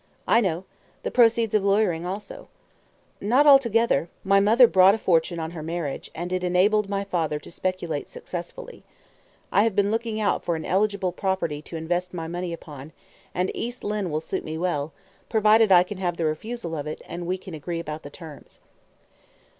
"I know. The proceeds of lawyering also." "Not altogether. My mother brought a fortune on her marriage, and it enabled my father to speculate successfully. I have been looking out for an eligible property to invest my money upon, and East Lynne will suit me well, provided I can have the refusal of it, and we can agree about the terms."